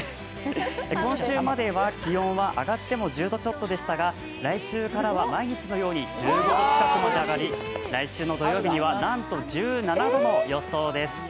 今週までは気温は上がっても１０度ちょっとでしたが来週からは毎日のように１５度近くまで上がり、来週の土曜日にはなんと１７度の予想です。